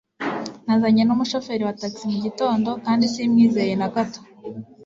nazanye numushoferi wa tax mugitondo kandi simwizeye nagato